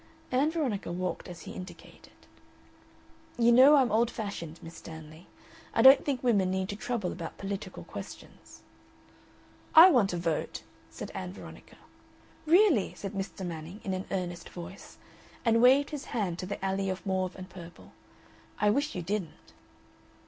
Ann Veronica walked as he indicated. "You know I'm old fashioned, Miss Stanley. I don't think women need to trouble about political questions." "I want a vote," said Ann Veronica. "Really!" said Mr. Manning, in an earnest voice, and waved his hand to the alley of mauve and purple. "I wish you didn't."